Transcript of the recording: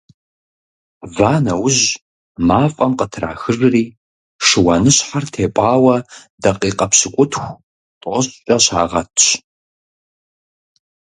Ва нэужь, мафӀэм къытрахыжри, шыуаныщхьэр тепӀауэ дакъикъэ пщыкӏутху-тӏощӏкӏэ щагъэтщ.